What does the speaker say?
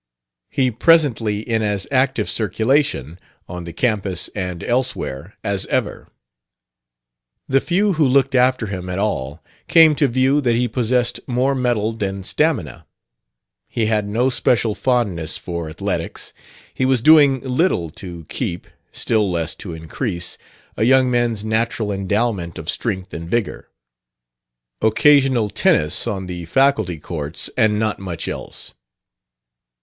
He presently in as active circulation, on the campus and elsewhere, as ever. The few who looked after him at all came to the view that he possessed more mettle than stamina. He had no special fondness for athletics; he was doing little to keep still less to increase a young man's natural endowment of strength and vigor. Occasional tennis on the faculty courts, and not much else.